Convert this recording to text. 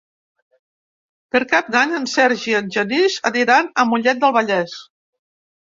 Per Cap d'Any en Sergi i en Genís aniran a Mollet del Vallès.